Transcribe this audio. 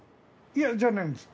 いやじゃないんです。